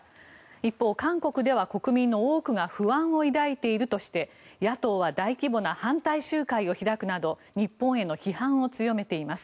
一方、韓国では国民の多くが不安を抱いているとして野党は大規模な反対集会を開くなど日本への批判を強めています。